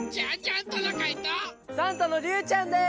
サンタのりゅうちゃんです！